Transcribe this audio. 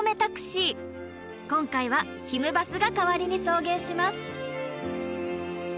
今回はひむバスが代わりに送迎します。